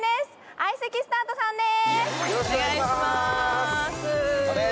相席スタートさんです。